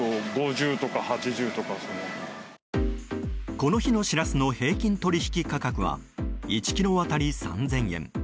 この日のシラスの平均取引価格は１ｋｇ当たり３０００円。